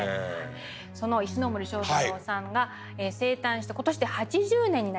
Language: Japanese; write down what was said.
その石森章太郎さんが生誕して今年で８０年になります。